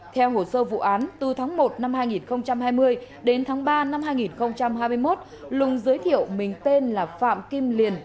theo hồ sơ vụ án từ tháng một năm hai nghìn hai mươi đến tháng ba năm hai nghìn hai mươi một lùng giới thiệu mình tên là phạm kim liên